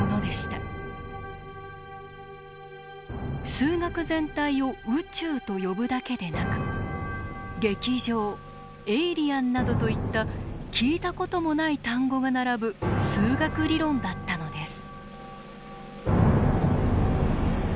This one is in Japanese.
数学全体を「宇宙」と呼ぶだけでなく「劇場」「エイリアン」などといった聞いたこともない単語が並ぶ数学理論だったのです。